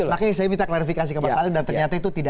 makanya saya minta klarifikasi ke mas ali dan ternyata itu tidak